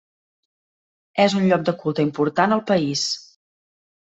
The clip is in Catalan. És un lloc de culte important al país.